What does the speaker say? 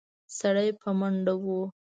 سړی په منډه و.